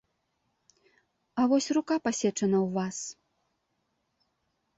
А вось рука пасечана ў вас.